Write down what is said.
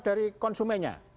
sama dari konsumennya